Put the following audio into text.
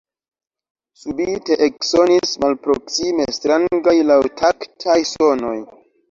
Subite eksonis malproksime strangaj laŭtaktaj sonoj.